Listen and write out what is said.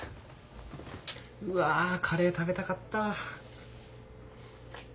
うわカレー食べたかった。